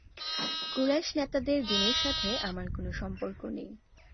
কুরাইশ নেতাদের দ্বীনের সাথে আমার কোন সম্পর্ক নেই।